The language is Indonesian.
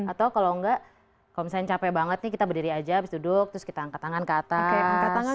atau kalau enggak kalau misalnya capek banget nih kita berdiri aja habis duduk terus kita angkat tangan ke atas angka tangan